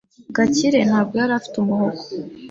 Gakire ntabwo yari afite umuhogo.